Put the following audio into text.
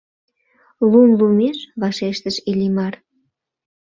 — Лум лумеш, — вашештыш Иллимар.